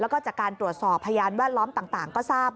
แล้วก็จากการตรวจสอบพยานแวดล้อมต่างก็ทราบ